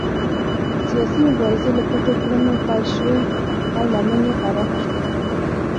سیاسي مبارزې له پټو کړنو پیل شوې او لمن یې پراخه شوه.